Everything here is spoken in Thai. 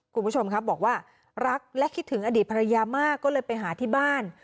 คุณผู้ชมครับบอกว่ารักและคิดถึงอดีตภรรยามากก็เลยไปหาที่บ้าน